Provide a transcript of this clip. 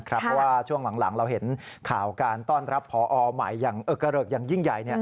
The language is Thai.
เพราะว่าช่วงหลังเราเห็นข่าวการต้อนรับพอใหม่อย่างยิ่งใหญ่